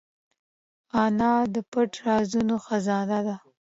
انا د پټ رازونو خزانه ده